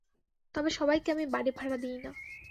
তবে সবাইকে আমি বাড়ি ভাড়া দিই না।